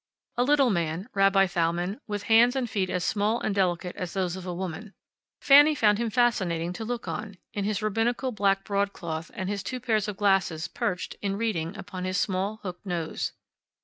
A little man, Rabbi Thalmann, with hands and feet as small and delicate as those of a woman. Fanny found him fascinating to look on, in his rabbinical black broadcloth and his two pairs of glasses perched, in reading, upon his small hooked nose.